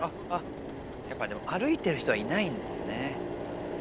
やっぱでも歩いてる人はいないんですね。